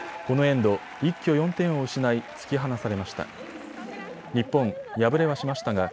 このエンド、一挙４点を失い、突き放されました。